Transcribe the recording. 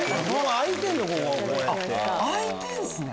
開いてんすね！